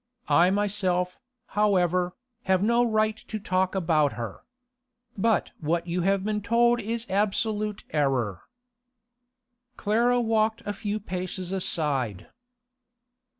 I myself, however, have no right to talk about her. But what you have been told is absolute error.' Clara walked a few paces aside.